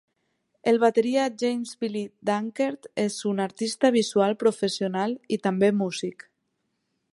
El bateria James "Billy" Dankert és un artista visual professional i també músic.